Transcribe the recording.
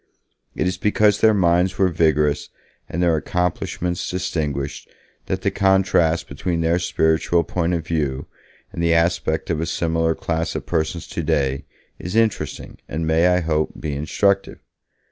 It is because their minds were vigorous and their accomplishments distinguished that the contrast between their spiritual point of view and the aspect of a similar class of persons today is interesting and may, I hope, be instructive.